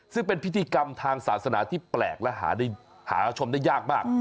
ซึ่งเป็นพิธีกรรมทางศาสนาที่แปลกและหาชมได้ยากมาก